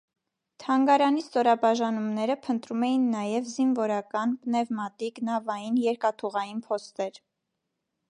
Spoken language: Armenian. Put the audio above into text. Թանգարանի ստորաբաժանումները փնտրում էին նաև զինվորական, պնևմատիկ, նավային, երկաթուղային փոստեր։